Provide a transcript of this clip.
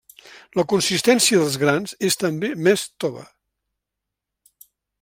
La consistència dels grans és també més tova.